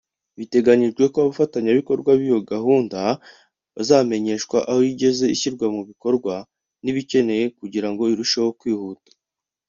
Biteganyijwe ko abafatanyabikorwa b’iyo gahunda bazamenyeshwa aho igeze ishyirwa mu bikorwa n’ibikeneye kugira ngo irusheho kwihuta